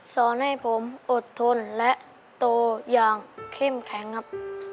สอนให้ผมอดทนและโตอย่างเข้มแข็งครับ